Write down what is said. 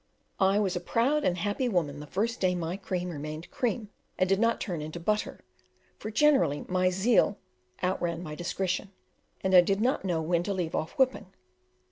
I was a proud and happy woman the first day my cream remained cream, and did not turn into butter; for generally my zeal outran my discretion, and I did not know when to leave off whipping.